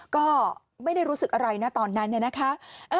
ก็ไม่ได้รู้สึกอะไรนะตอนนั้นเนี่ยนะคะ